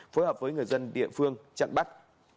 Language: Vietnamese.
phối hợp với người dân địa phương chặn bắt